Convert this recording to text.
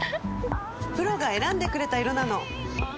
プロが選んでくれた色なの！